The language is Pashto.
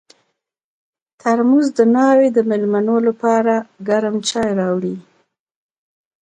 ترموز د ناوې د مېلمنو لپاره ګرم چای راوړي.